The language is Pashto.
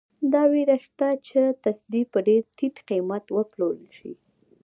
دا وېره شته چې تصدۍ په ډېر ټیټ قیمت وپلورل شي.